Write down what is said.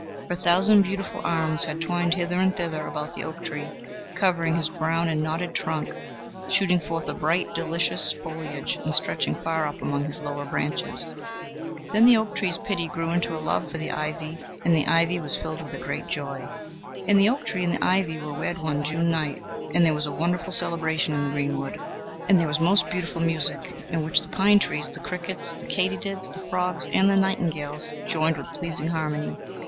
Her thousand beautiful arms had twined hither and thither about the oak tree, covering his brown and knotted trunk, shooting forth a bright, delicious foliage and stretching far up among his lower branches. Then the oak tree's pity grew into a love for the ivy, and the ivy was filled with a great joy. And the oak tree and the ivy were wed one June night, and there was a wonderful celebration in the greenwood; and there was most beautiful music, in which the pine trees, the crickets, the katydids, the frogs, and the nightingales joined with pleasing harmony.